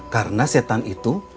karena setan itu